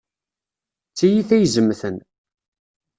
D tiyita izemten.